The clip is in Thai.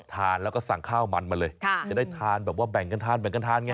ทานแล้วก็สั่งข้าวมันมาเลยจะได้ทานแบบว่าแบ่งกันทานแบ่งกันทานไง